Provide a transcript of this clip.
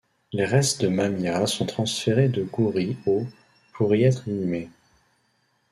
Les restes de Mamia sont transférés de Gourie au pour y être inhumés.